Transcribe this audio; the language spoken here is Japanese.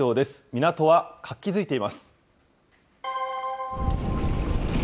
港は活気づいています。